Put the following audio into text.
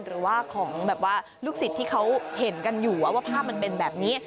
หรือว่าของแบบว่าลูกศิษย์ที่เขาเห็นกันอยู่ว่าภาพมันเป็นแบบนี้